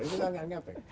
itu kan gak efek